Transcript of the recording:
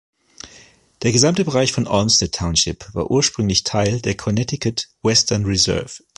Das gesamte Bereich von Olmsted Township war ursprünglich Teil der Connecticut Western Reserve.